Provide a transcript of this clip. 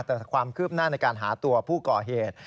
แต่ความคืบหน้าในการหาตัวผู้ก่อเหตุ